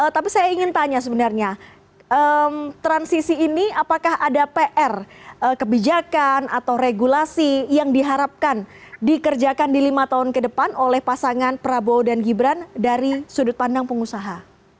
tapi saya ingin tanya sebenarnya transisi ini apakah ada pr kebijakan atau regulasi yang diharapkan dikerjakan di lima tahun ke depan oleh pasangan prabowo dan gibran dari sudut pandang pengusaha